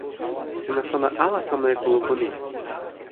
sina sona ala sona e kulupu ni?